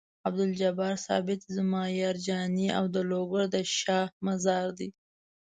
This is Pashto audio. عبدالجبار ثابت زما یار جاني او د لوګر د شاه مزار دی.